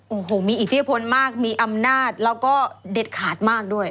โอ้โหมีอิทธิพลมากมีอำนาจแล้วก็เด็ดขาดมากด้วย